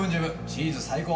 チーズ最高！